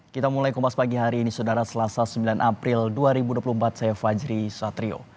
kita mulai kemas pagi hari ini saudara selasa sembilan april dua ribu dua puluh empat saya fajri satrio